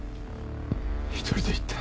１人で行った。